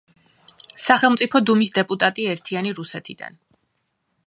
სახელმწიფო დუმის დეპუტატი „ერთიანი რუსეთიდან“.